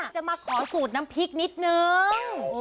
จะมาขอสูตรน้ำพริกนิดนึง